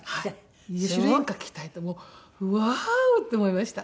すごい！八代演歌聴きたいってもうワーオ！って思いました。